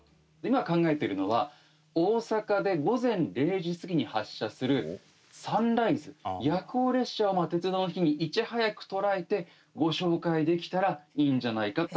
今、考えてるのは、大阪で午前０時過ぎに発車するサンライズ夜行列車を鉄道の日に、いち早く捉えてご紹介できたらいいんじゃないかと。